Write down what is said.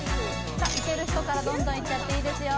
さあいける人からどんどんいっちゃっていいですよ